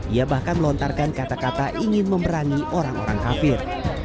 ia bahkan melontarkan kata kata ingin memerangi orang orang kafir